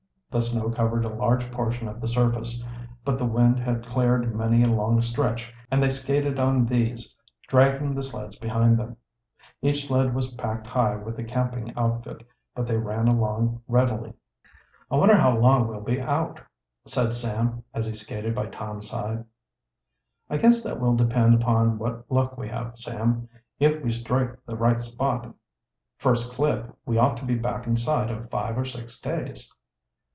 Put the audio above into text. The snow covered a large portion of the surface, but the wind had cleared many a long stretch, and they skated on these, dragging the sleds behind them. Each sled was packed high with the camping outfit, but they ran along readily. "I wonder how long we'll be out," said Sam, as he skated by Tom's side. "I guess that will depend upon what luck we have, Sam. If we strike the right spot first clip we ought to be back inside of five or six days."